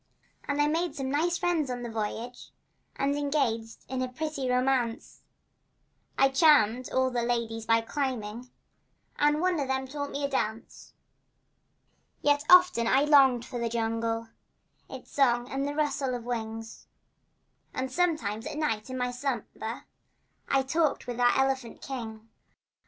And I made some nice friends on the voyage, And engaged in a pretty romance. I charmed all the ladies by climbing, And one of them taught me to dance. Yet often I longed for the jungle— Its song and the rustle of wing— And sometimes at night in my slumber I talked with our elephant king.